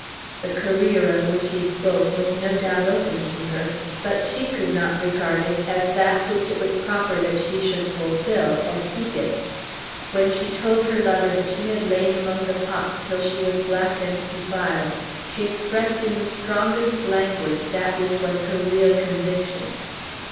The career of which he spoke was no doubt open to her, but she could not regard it as that which it was proper that she should fulfil, as he did. When she told her lover that she had lain among the pots till she was black and defiled, she expressed in the strongest language that which was her real conviction.